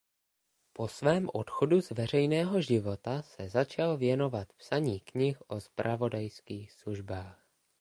Po svém odchodu z veřejného života se začal věnovat psaní knih o zpravodajských službách.